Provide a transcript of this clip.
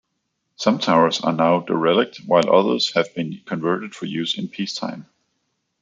Some towers are now derelict while others have been converted for use in peacetime.